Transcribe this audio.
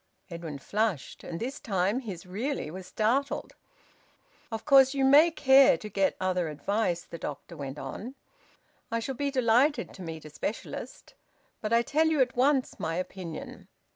Edwin flushed. And this time his `Really!' was startled. "Of course you may care to get other advice," the doctor went on. "I shall be delighted to meet a specialist. But I tell you at once my opinion."